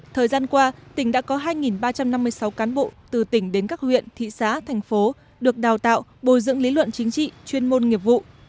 thời gian qua tỉnh đã có hai ba trăm năm mươi sáu cán bộ từ tỉnh đến các huyện thị xã thành phố được đào tạo bồi dưỡng lý luận chính trị chuyên môn nghiệp vụ